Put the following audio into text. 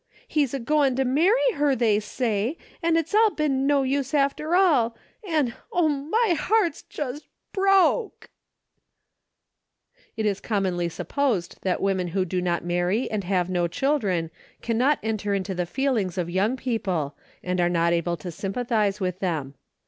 He's a goin' to marry her, they say, an' it's all been no use after all, an' oh, my heart's just broke !" It is commonly supposed that women who do not marry and have no children cannot enter into the feelings of young people, and are not able to sympathize with them.